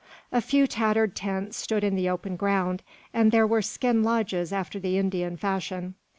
A few tattered tents stood in the open ground; and there were skin lodges after the Indian fashion.